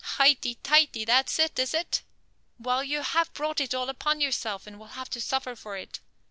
"Highty, tighty, that's it, is it? Well, you have brought it all upon yourself and will have to suffer for it.